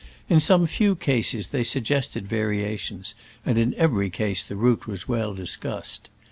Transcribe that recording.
In some few cases they suggested varia tions, and in every case the route was well discussed.